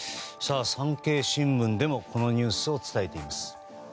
産経新聞でもこのニュースを伝えています。